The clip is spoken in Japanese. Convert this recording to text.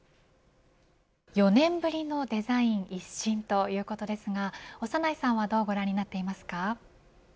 ４年ぶりのデザイン一新ということですが長内さんはどうご覧になっていますか。